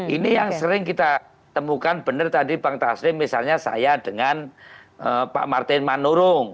ini yang sering kita temukan benar tadi bang taslim misalnya saya dengan pak martin manurung